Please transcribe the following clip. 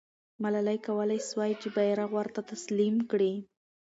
ملالۍ کولای سوای چې بیرغ ورته تسلیم کړي.